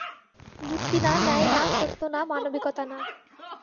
যুক্তি না, ন্যায় না, সত্য না, মানবিকতা না।